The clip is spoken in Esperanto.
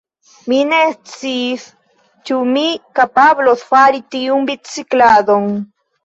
Mi ne sciis ĉu mi kapablos fari tiun bicikladon.